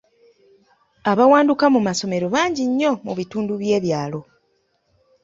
Abawanduka mu masomero bangi nnyo mu bitundu by'ebyalo.